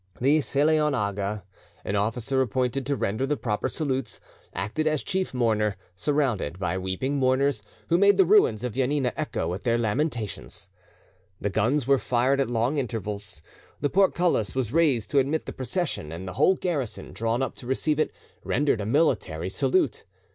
The Selaon Aga, an officer appointed to render the proper salutes, acted as chief mourner, surrounded by weeping mourners, who made the ruins of Janina echo with their lamentations. The guns were fired at long intervals. The portcullis was raised to admit the procession, and the whole garrison, drawn up to receive it, rendered a military salute.